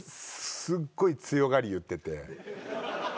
すっごい強がり言ってて。